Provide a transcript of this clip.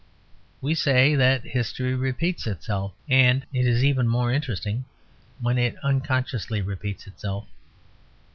We say that history repeats itself, and it is even more interesting when it unconsciously repeats itself.